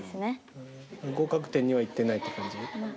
合格点にはいってないって感じ？